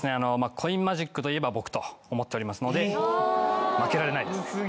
コインマジックといえば僕と思っておりますので負けられない。